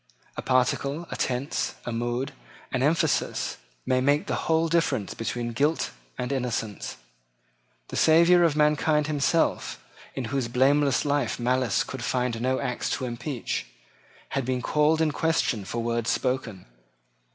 A particle, a tense, a mood, an emphasis, may make the whole difference between guilt and innocence. The Saviour of mankind himself, in whose blameless life malice could find no acts to impeach, had been called in question for words spoken.